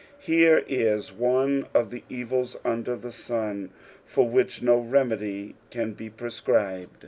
Here is one of the evils under the ■un for which no remedy can be prescribed.